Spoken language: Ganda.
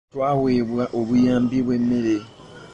Twaweebwa obuyambi bw'emmere.